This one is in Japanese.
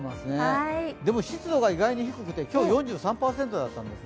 でも湿度が意外に低くて、今日、４３％だったんです。